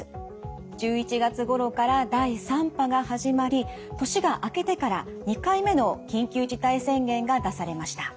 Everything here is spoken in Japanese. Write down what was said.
１１月ごろから第３波が始まり年が明けてから２回目の緊急事態宣言が出されました。